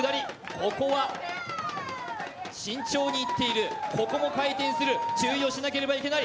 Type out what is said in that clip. ここは慎重に行っている、ここも回転している、注意しなければいけない。